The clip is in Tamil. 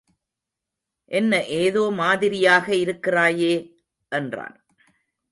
என்ன ஏதோ மாதிரியாக இருக்கிறாயே? என்றான்.